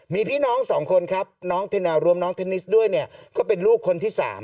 มีพี่น้อง๒คนครับน้องรวมน้องเทนนิสด้วยเนี่ยก็เป็นลูกคนที่๓